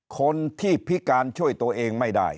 คนที่พิการช่วยตัวเองไม่ได้